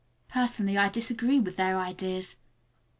Personally, I disagree with their ideas.